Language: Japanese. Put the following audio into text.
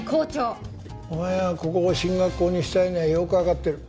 お前がここを進学校にしたいのはよくわかってる。